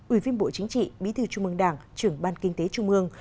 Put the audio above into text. ubnd bí thư trung ương đảng trưởng ban kinh tế trung ương